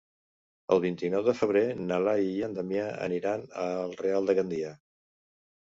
El vint-i-nou de febrer na Laia i en Damià aniran al Real de Gandia.